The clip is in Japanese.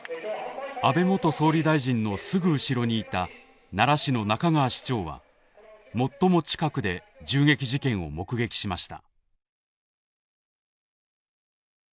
安倍元総理大臣のすぐ後ろにいた奈良市の仲川市長は最も近くで銃撃事件を目撃しました。